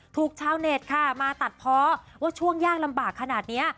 ชาวเน็ตค่ะมาตัดเพาะว่าช่วงยากลำบากขนาดนี้